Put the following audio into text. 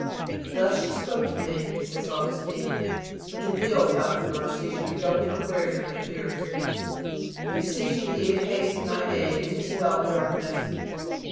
"Thus she spoke to me," says Augustine, "but to Thee, O Fountain of Mercy, she redoubled her prayers and her tears, beseeching Thee to hasten Thine aid and dispel my darkness."